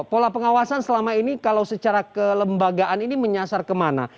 pola pengawasan selama ini kalau secara kelembagaan ini menyasar kemana